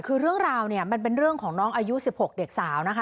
คือเรื่องราวเนี่ยมันเป็นเรื่องของน้องอายุ๑๖เด็กสาวนะคะ